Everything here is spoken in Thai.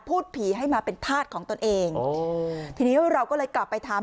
พูดผีให้มาเป็นธาตุของตนเองทีนี้เราก็เลยกลับไปถาม